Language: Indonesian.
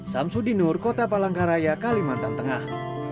samsudinur kota palangkaraya kalimantan tengah